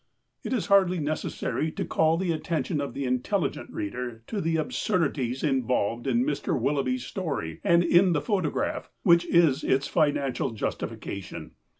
It is hardly necessary to call the attention of the intelligent reader to the absvirdities involved in Mr. Willoughby's story and in the photograph which is its financial justificaion.